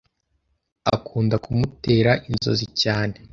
akunda kumutera inzozi cyane